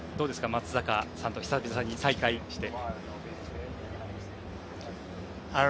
松坂さんと久々に再会して。